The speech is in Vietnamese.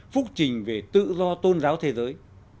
phúc trình về tự do tôn giáo thế giới